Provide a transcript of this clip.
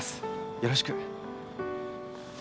よろしく。